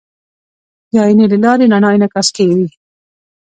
د آیینې له لارې رڼا انعکاس کوي.